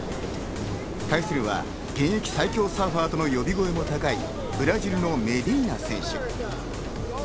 対するは現役最強サーファーとの呼び声も高いブラジルのメディーナ選手。